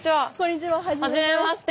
はじめまして。